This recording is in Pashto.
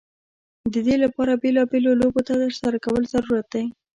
د دې لپاره بیلا بېلو لوبو ترسره کول ضرورت دی.